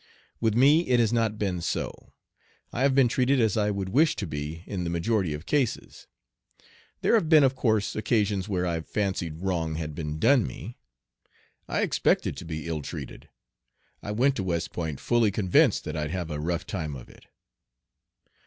With me it has not been so. I have been treated as I would wish to be in the majority of cases. There have been of course occasions where I've fancied wrong had been done me. I expected to be ill treated. I went to West Point fully convinced that I'd have "a rough time of it."